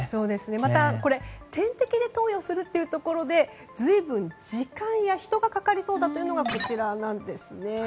また、点滴で投与するというところで随分、時間や人がかかりそうだというのがこちらです。